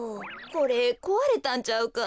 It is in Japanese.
これこわれたんちゃうか？